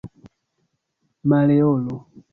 Maleolo